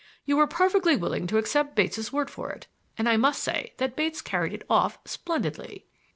You were perfectly willing to accept Bates' word for it; and I must say that Bates carried it off splendidly."